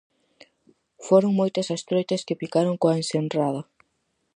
Foron moitas as troitas que picaron coa ensenrada.